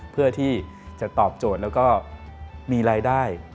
เพื่อที่จะตอบโจทย์แล้วก็มีรายได้